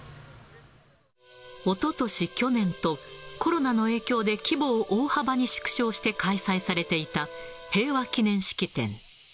おととし、去年と、コロナの影響で規模を大幅に縮小して開催されていた、平和記念式典。